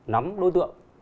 nắm đối tượng